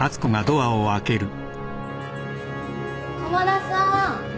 駒田さん。